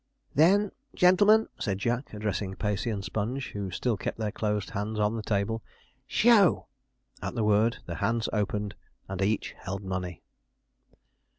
'Then, gen'lemen,' said Jack, addressing Pacey and Sponge, who still kept their closed hands on the table, 'show!' At the word, their hands opened, and each held money.